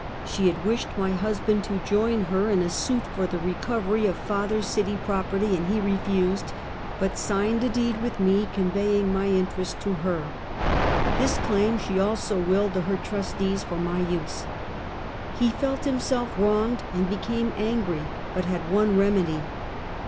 She had wished my husband to join her in a suit for the recovery of father's city property, and he refused, but signed a deed with me conveying my interest to her. This claim she also willed to her trustees for my use. He felt himself wronged and became angry, but had one remedy.